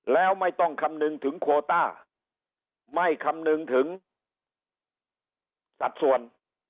แล้วไม่ต้องคำนึงถึงโคต้าไม่คำนึงถึงสัดส่วน